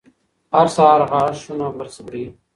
هر سهار غاښونه برس کړئ.